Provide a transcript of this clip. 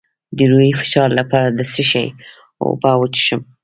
د روحي فشار لپاره د څه شي اوبه وڅښم؟